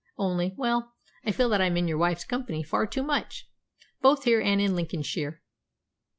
Only well, I feel that I'm in your wife's company far too much, both here and in Lincolnshire.